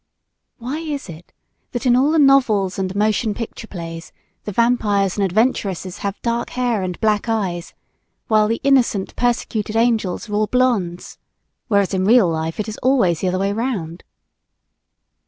Why is it that in all the novels and motion picture plays the vampires and adventuresses have dark hair and black eyes, while the innocent, persecuted angels are all blondes whereas in real life it is always the other way 'round.